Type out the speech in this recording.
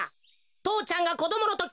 とうちゃんがこどものとき